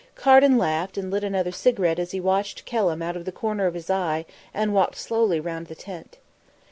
Carden laughed and lit another cigarette as he watched Kelham out of the corner of his eye as he walked slowly round the tent.